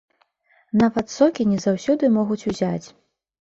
Нават сокі не заўсёды могуць узяць.